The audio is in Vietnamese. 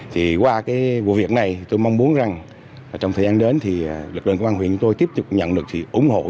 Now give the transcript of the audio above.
thì qua cái vụ việc này tôi mong muốn rằng trong thời gian đến thì lực lượng công an huyện tôi tiếp tục nhận được ủng hộ giúp đỡ